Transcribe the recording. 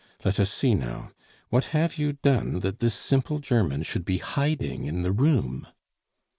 Let us see, now; what have you done that this simple German should be hiding in the room?"